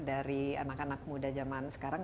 dari anak anak muda zaman sekarang